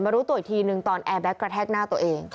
รู้ตัวอีกทีนึงตอนแอร์แก๊กกระแทกหน้าตัวเอง